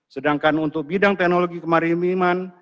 sedangkan untuk bidang teknologi kemarin minuman